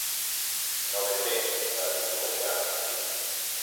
"No ben bé", va titubejar Frankie.